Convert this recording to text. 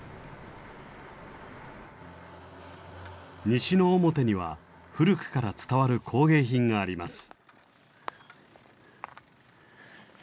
西之表には古くから伝わる工芸品があります。